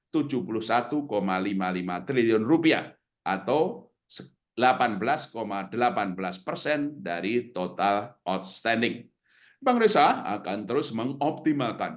rp sebelas lima puluh lima triliun atau delapan belas delapan belas persen dari total outstanding e bank batreca akan terus mengoptimalkan